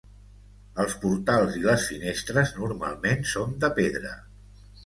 Els portals i les finestres normalment són de pedra.